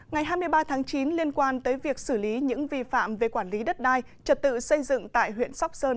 ngày hai mươi ba tháng chín liên quan tới việc xử lý những vi phạm về quản lý đất đai trật tự xây dựng tại huyện sóc sơn